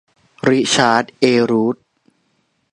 ริชาร์ด เอ รูธ